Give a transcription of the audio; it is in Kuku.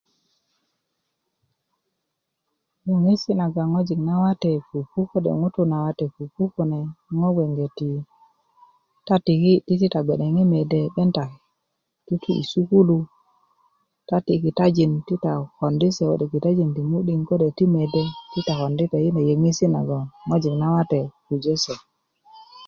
yoŋesi' nagon ŋojik nawate pupu kode' ŋutu' nawate pupu kune a ŋo' gbeŋgeti ta tiki di ti ta gbe'deŋ mede 'ben ta tu sukulu ta ti' kitajin ti ta kondi' se kode' kitajin ti mu'diŋ kode' ti mede kine a yöŋesi' nagoŋ ŋojik nawate pujö se kune